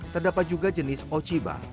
terdapat juga jenis ociba